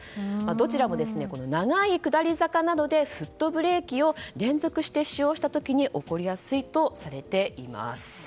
どちらも長い下り坂などでフットブレーキを連続して使用した時に起こりやすいとされています。